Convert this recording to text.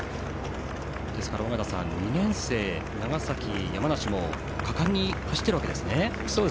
ですから尾方さん２年生、長崎と山梨も果敢に走っているわけですね。